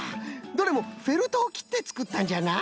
どれもフェルトをきってつくったんじゃな。